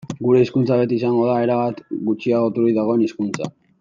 Gure hizkuntza beti izango da erabat gutxiagoturik dagoen hizkuntza.